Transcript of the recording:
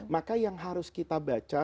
maka yang harus kita baca